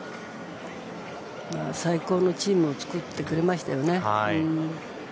最高のチームを作ってくれましたよね。